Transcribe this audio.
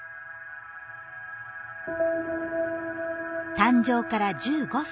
誕生から１５分。